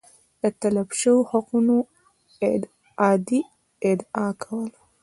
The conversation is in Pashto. د تلف شویو حقونو اعادې ادعا کوله